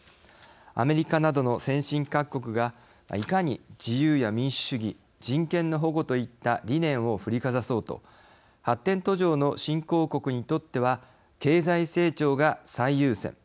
アメリカなどの先進各国がいかに自由や民主主義人権の保護といった理念を振りかざそうと発展途上の新興国にとっては経済成長が最優先。